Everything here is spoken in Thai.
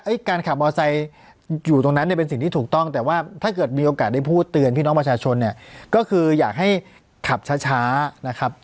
การขับมอไซค์อยู่ตรงนั้นเนี่ยเป็นสิ่งที่ถูกต้องแต่ว่าถ้าเกิดมีโอกาสได้พูดเตือนพี่น้องประชาชนเนี่ยก็คืออยากให้ขับช้าช้านะครับ